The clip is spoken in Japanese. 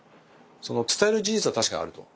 伝える事実は確かにあると。